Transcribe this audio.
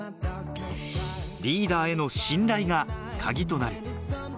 リーダーへの信頼がカギとなる。